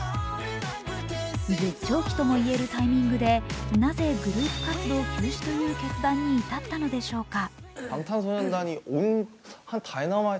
絶頂期ともいえるタイミングでなぜグループ活動休止という決断に至ったのでしょうか。